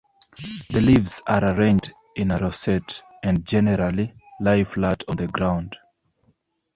The leaves are arranged in a rosette and generally lie flat on the ground.